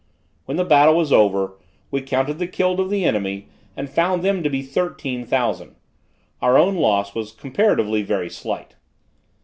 When the battle was over, we counted the killed of the enemy and found them to be thirteen thousand: our own loss was comparatively very slight.